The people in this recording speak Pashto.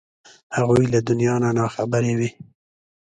هغوی له دنیا نه نا خبرې وې.